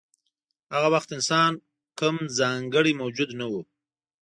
هغه وخت انسان کوم ځانګړی موجود نه و.